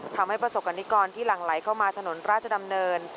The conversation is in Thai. ประสบกรณิกรที่หลั่งไหลเข้ามาถนนราชดำเนิน